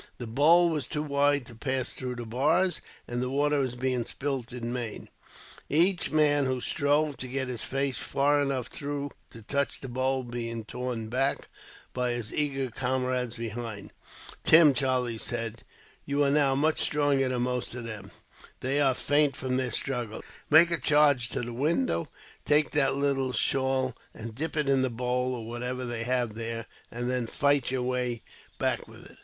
The bowl was too wide to pass through the bars, and the water was being spilt in vain; each man who strove to get his face far enough through to touch the bowl being torn back, by his eager comrades behind. "Tim," Charlie said, "you are now much stronger than most of them. They are faint from the struggles. Make a charge to the window. Take that little shawl and dip it into the bowl, or whatever they have there, and then fight your way back with it."